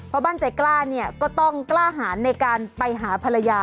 พ่อบ้านใจกล้าก็ต้องกล้าหารในการไปหาภรรยา